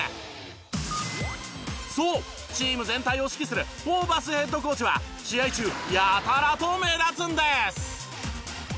そうチーム全体を指揮するホーバスヘッドコーチは試合中やたらと目立つんです。